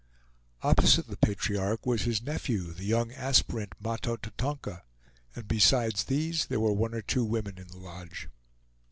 Opposite the patriarch was his nephew, the young aspirant Mahto Tatonka; and besides these, there were one or two women in the lodge.